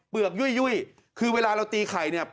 ยุ่ยคือเวลาเราตีไข่เนี่ย